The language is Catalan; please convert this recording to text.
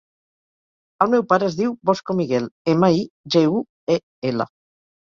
El meu pare es diu Bosco Miguel: ema, i, ge, u, e, ela.